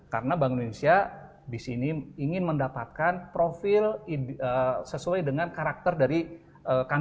karena bank indonesia disini ingin mendapatkan profil sesuai dengan karakter dari karyawan